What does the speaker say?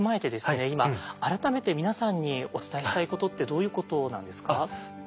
今改めて皆さんにお伝えしたいことってどういうことなんですか？